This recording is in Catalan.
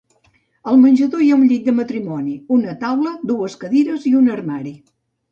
Al menjador hi ha un llit de matrimoni, una taula, dues cadires i un armari.